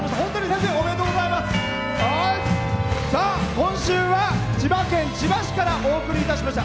今週は千葉県千葉市からお送りいたしました。